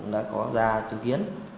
đã có ra chứng kiến